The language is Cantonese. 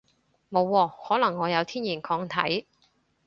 冇喎，可能我有天然抗體